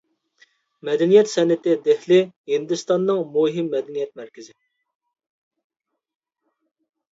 مەدەنىيەت-سەنئىتى دېھلى ھىندىستاننىڭ مۇھىم مەدەنىيەت مەركىزى.